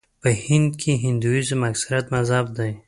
په هند کې د هندويزم اکثریت مذهب دی.